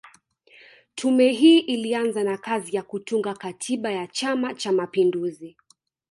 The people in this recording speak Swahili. Tume hii ilianza na kazi ya kutunga Katiba ya Chama Cha mapinduzi